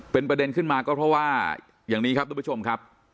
เป็นประเด็นขึ้นมาก็เพราะว่าอย่างนี้ครับทุกผู้ชมครับ